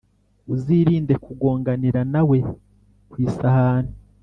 uzirinde kugonganira na we ku isahani.